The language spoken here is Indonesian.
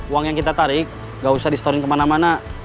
uang yang kita tarik gak usah di storing kemana mana